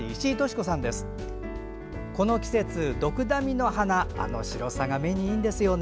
この季節、ドクダミの花あの白さが目にいいですね。